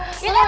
lo punya pacar